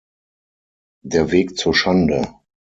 Der Weg zur Schande".